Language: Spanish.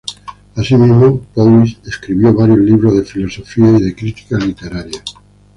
Así mismo, Powys escribió varios libros de filosofía y de crítica literaria.